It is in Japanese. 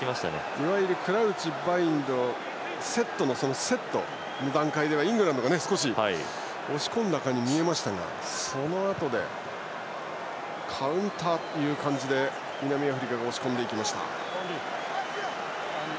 いわゆるクラウチバインド、セットのセットの段階ではイングランドが少し押し込んだかに見えましたがそのあとでカウンターという感じで南アフリカが押し込んでいきました。